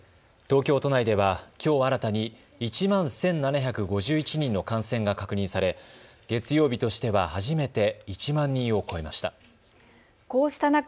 東京都内では、きょう新たに１万１７５１人の感染が確認され、月曜日としては初めて１万人を超えました。